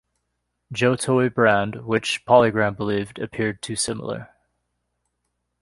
Joe toy brand, which, PolyGram believed, appeared too similar.